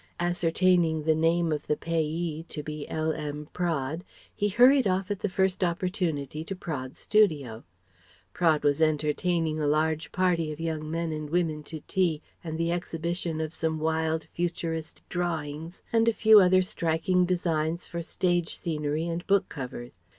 Ascertaining the name of the payee to be L.M. Praed, he hurried off at the first opportunity to Praed's studio. Praed was entertaining a large party of young men and women to tea and the exhibition of some wild futurist drawings and a few rather striking designs for stage scenery and book covers.